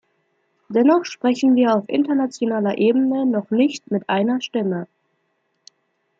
Dennoch sprechen wir auf internationaler Ebene noch nicht mit einer Stimme.